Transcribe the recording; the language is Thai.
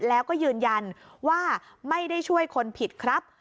แล้วก็ยืนยันว่าไม่ได้ช่วยคนผิดครับ